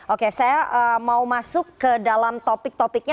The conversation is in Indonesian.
oke saya mau masuk ke dalam topik topiknya